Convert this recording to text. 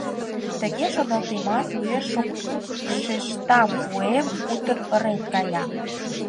Тыге шоналтемат, уэш шокшештам, вуем утыр ырен кая.